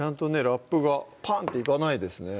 ラップがパンっていかないですね